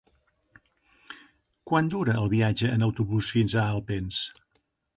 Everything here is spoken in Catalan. Quant dura el viatge en autobús fins a Alpens?